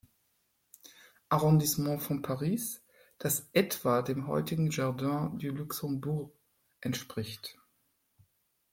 Arrondissement von Paris, das etwa dem heutigen Jardin du Luxembourg entspricht.